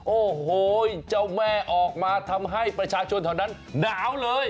โอ้โหเจ้าแม่ออกมาทำให้ประชาชนแถวนั้นหนาวเลย